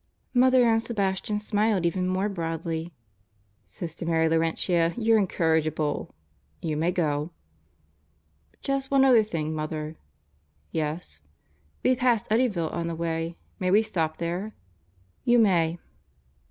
Mother Ann Sebastian smiled even more broadly. "Sister Mary Laurentia, you're incorrigible. You may go." "Just one other thing, Mother." "Yes?" "We pass Eddyville on the way. May we stop there?" "You may."